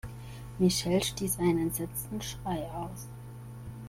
Michelle stieß einen entsetzten Schrei aus.